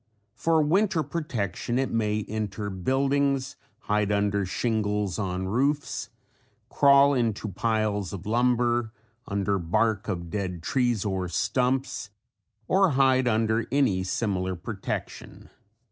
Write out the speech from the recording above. For winter protection it may enter buildings, hide under shingles on roofs, crawl into piles of lumber, under bark of dead trees or stumps or hide under any similar protection.